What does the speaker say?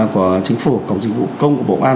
của chính phủ cổng dịch vụ công của bộ công an